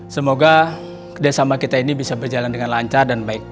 semoga kerjasama kita ini bisa berjalan dengan lancar dan baik